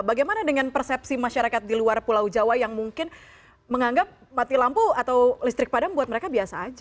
bagaimana dengan persepsi masyarakat di luar pulau jawa yang mungkin menganggap mati lampu atau listrik padam buat mereka biasa aja